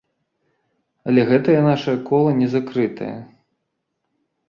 Але гэтае наша кола не закрытае!